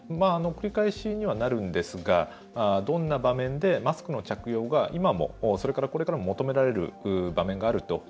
繰り返しにはなりますがどんな場面でマスクの着用が今もこれからも着用を求められる場面があると。